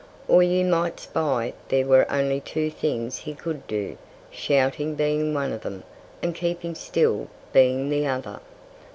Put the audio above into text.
Or you might spy there were only two things he could do shouting being one of them, and keeping still being the other.